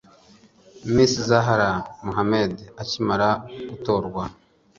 Miss Zahara Muhammad akimara gutorwa